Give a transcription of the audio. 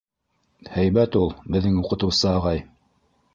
Һәйбәт ул беҙҙең уҡытыусы ағай.